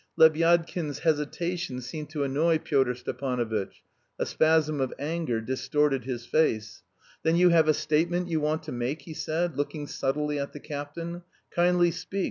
Lebyadkin's hesitation seemed to annoy Pyotr Stepanovitch; a spasm of anger distorted his face. "Then you have a statement you want to make?" he said, looking subtly at the captain. "Kindly speak.